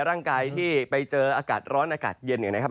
ร่างกายที่ไปเจออากาศร้อนอากาศเย็นเนี่ยนะครับ